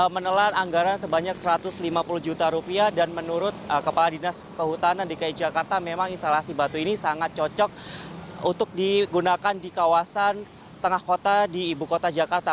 menelan anggaran sebanyak satu ratus lima puluh juta rupiah dan menurut kepala dinas kehutanan dki jakarta memang instalasi batu ini sangat cocok untuk digunakan di kawasan tengah kota di ibu kota jakarta